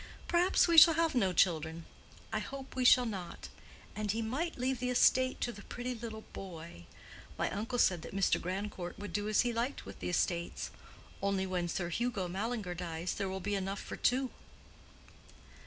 "Perhaps we shall have no children. I hope we shall not. And he might leave the estate to the pretty little boy. My uncle said that Mr. Grandcourt could do as he liked with the estates. Only when Sir Hugo Mallinger dies there will be enough for two."